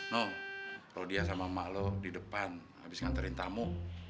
nung rodia sama emak lo di depan habis nganterin tamu